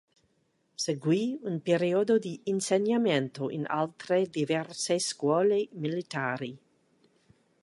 Seguì un periodo di insegnamento in altre diverse scuole militari.